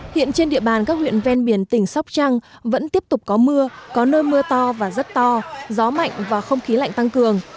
hiện trên địa bàn các huyện ven biển tỉnh sóc trăng vẫn tiếp tục có mưa có nơi mưa to và rất to gió mạnh và không khí lạnh tăng cường